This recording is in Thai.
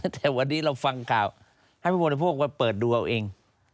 แต่วันนี้เราฟังข่าวให้ผู้บริโภคมาเปิดดูเอาเอง